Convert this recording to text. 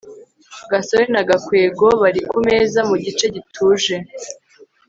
gasore na gakwego bari kumeza mugice gituje